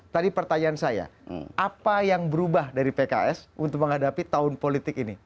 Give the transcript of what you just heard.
tadi pertanyaan saya apa yang berubah dari pks untuk menghadapi tahun politik ini